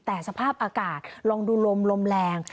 แต่สภาพอากาศลองดูลมลมแรง